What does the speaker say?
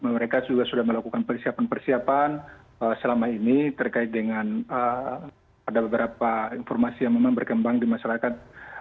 mereka juga sudah melakukan persiapan persiapan selama ini terkait dengan ada beberapa informasi yang memang berkembang di masyarakat